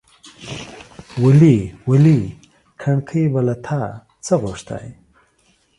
ولي! ولي! کڼکۍ به له تا څه غوښتاى ،